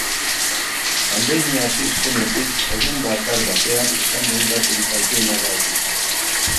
Pandemia hasi zenetik egun bakar batean izan den daturik altuena da hori.